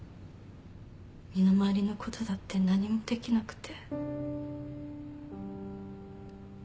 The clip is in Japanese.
身の回りのことだって何もできなくて。